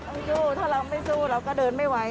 พันธุถ้าเราไม่สู้เราก็เดินไม่ไหว